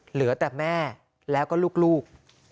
เหลือแต่แม่แล้วก็ลูก